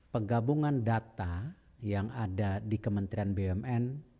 pegabungan data yang ada di kementerian bumn